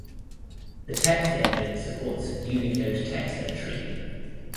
The text engine supports Unicode text entry.